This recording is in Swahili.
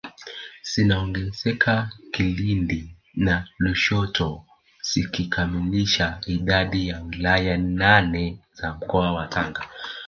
zinaongezeka Kilindi na Lushoto zikikamilisha idadi ya wilaya nane za mkoa wa Tanga